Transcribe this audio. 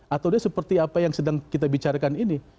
atau dia seperti apa yang sedang kita bicarakan ini